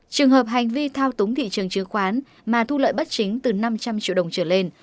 trường hợp hành vi thao túng thị trường chứng khoán mà thu lợi bất chính từ năm trăm linh triệu đồng trở lên